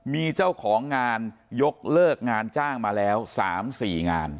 มีเจ้าของงานยกเลิกงานจ้างมาแล้ว๓๔งาน